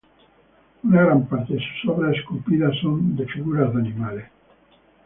Una gran parte de su obra esculpida son de figuras de animales.